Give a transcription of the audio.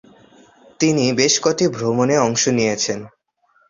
তিনি বেশ কটি ভ্রমণে অংশ নিয়েছেন।